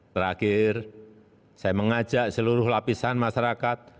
terakhir saya mengajak seluruh lapisan masyarakat